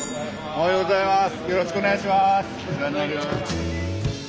おはようございます。